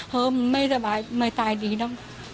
เฮ้มันไม่สบายไม่ตายดีนะ